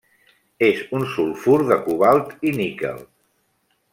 És un sulfur de cobalt i níquel.